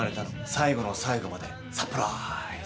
最後の最後までサプライズ。